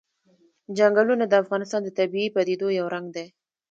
چنګلونه د افغانستان د طبیعي پدیدو یو رنګ دی.